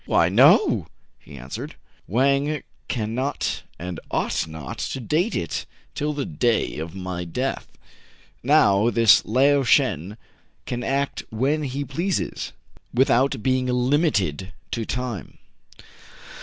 " Why, no !" he answered. " Wang can not and 178 TRIBULATIONS OF A CHINAMAN, ought not to date it till the day of my death. Now, this Lao Shen can act when he pleases, without being limited to time."